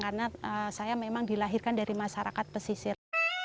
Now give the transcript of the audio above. karena saya memang dilahirkan dari masyarakat pesisir